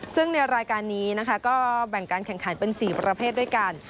ซึ่งในรายการนี้นะคะก็แบ่งการแข่งขันเป็น๔ประเภทด้วยกัน